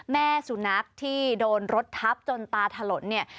แม่สุนัขที่โดนรถทับจนตาถลนเนี่ย